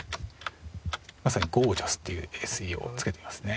まさにゴージャスというＳＥをつけてみますね。